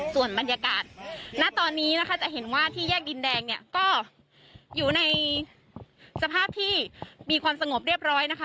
ส่วนบรรยากาศณตอนนี้นะคะจะเห็นว่าที่แยกดินแดงเนี่ยก็อยู่ในสภาพที่มีความสงบเรียบร้อยนะคะ